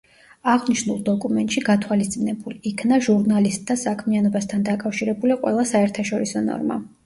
აღნიშნულ დოკუმენტში გათვალისწინებულ იქნა ჟურნალისტთა საქმიანობასთან დაკავშირებული ყველა საერთაშორისო ნორმა.